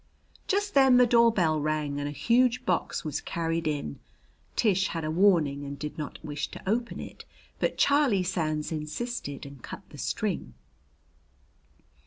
Just then the doorbell rang and a huge box was carried in. Tish had a warning and did not wish to open it, but Charlie Sands insisted and cut the string.